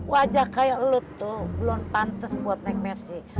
wajah kayak lo tuh belum pantas buat naik mersi